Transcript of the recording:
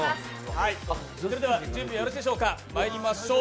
それでは準備はよろしいでしょうか、まいりましょう。